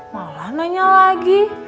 malah nanya lagi